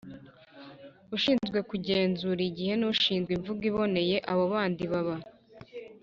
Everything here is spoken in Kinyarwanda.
ushinzwe kugenzura igihe n’ushinzwe imvugo iboneye. Abo kandi baba